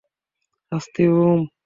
শান্তি, - ওম।